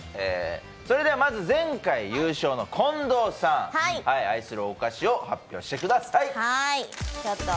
まず前回優勝の近藤さん愛するお菓子を発表してください。